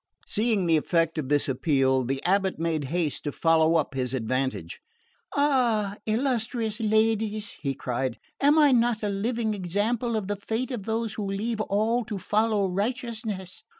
Seeing the effect of this appeal the abate made haste to follow up his advantage. "Ah, illustrious ladies," he cried, "am I not a living example of the fate of those who leave all to follow righteousness?